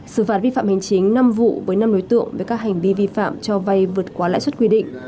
xử phạt vi phạm hành chính năm vụ với năm đối tượng với các hành vi vi phạm cho vay vượt qua lãi suất quy định